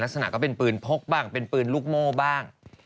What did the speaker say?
ลักษณะก็เป็นปืนพกบ้างเป็นปืนลูกโม่บ้าง